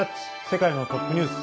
世界のトップニュース」。